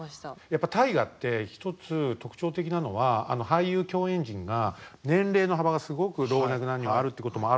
やっぱ「大河」って一つ特徴的なのは俳優共演陣が年齢の幅がすごく老若男女があるってこともあるけど